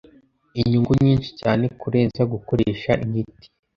inyungu nyinshi cyane kurenza gukoresha imiti